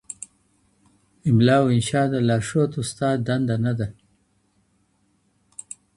املا او انشا د لارښود استاد دنده نه ده.